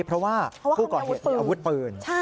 เพราะว่าผู้กอยเห็นอรึถปืน